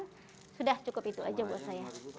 dan sudah cukup itu aja buat saya